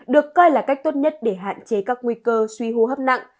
được coi là cách tốt nhất để hạn chế các nguy cơ suy hô hấp nặng